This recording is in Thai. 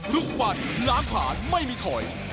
ทุกวันง้างผ่านไม่มีถอย